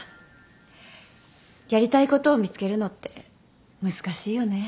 やりたいことを見つけるのって難しいよね。